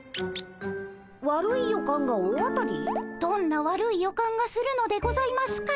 どんな悪い予感がするのでございますか？